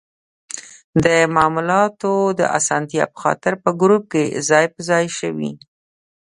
د مطالعاتو د اسانتیا په خاطر په ګروپ کې ځای په ځای شوي.